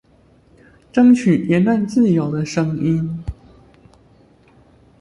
爭取言論自由的聲音